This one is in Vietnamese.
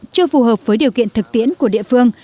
chưa phù hợp với điều kiện thực tiễn của địa phương